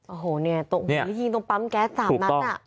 โอ้โหเนี่ยตกเหมือนยิงตรงปั๊มแก๊สสามนั้นอะถูกต้อง